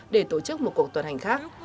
để tổ chức một cuộc tuần hành khác